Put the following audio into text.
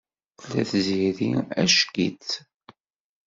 Tella Tiziri ack-itt.